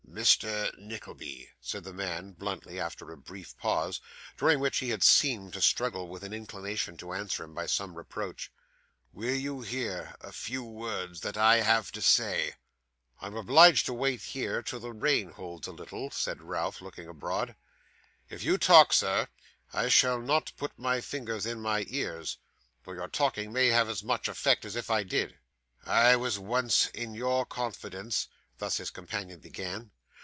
'Mr. Nickleby,' said the man, bluntly, after a brief pause, during which he had seemed to struggle with an inclination to answer him by some reproach, 'will you hear a few words that I have to say?' 'I am obliged to wait here till the rain holds a little,' said Ralph, looking abroad. 'If you talk, sir, I shall not put my fingers in my ears, though your talking may have as much effect as if I did.' 'I was once in your confidence ' thus his companion began.